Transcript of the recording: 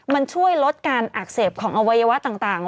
มันช่วยลดการอักเสบของอวัยวะต่าง